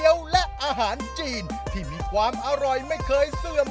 อย่าเอาความลับอ้วกเปิดเผย